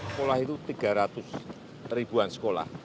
sekolah itu tiga ratus ribuan sekolah